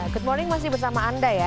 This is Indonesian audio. good morning masih bersama anda ya